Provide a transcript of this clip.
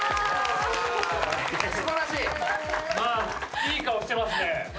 いい顔してますね。